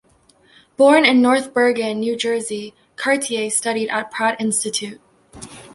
Born in North Bergen, New Jersey, Cartier studied at Pratt Institute.